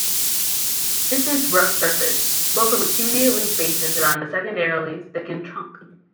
This is rough-surfaced, built from accumulated leaf-bases around the secondarily thickened trunk.